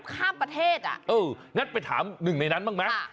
ข้ามประเทศอ่ะเอองั้นไปถามหนึ่งในนั้นบ้างไหม